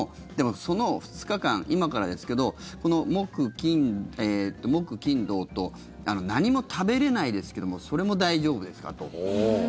その２日間、今からですけど木金土と何も食べれないですけどもそれも大丈夫ですかと。